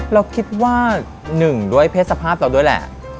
เราคิดว่า๑เทพธีสภาพเรา